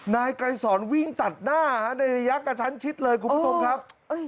นายกลายสอนวิ่งตัดหน้าในระยะกับชั้นชิดเลยครับ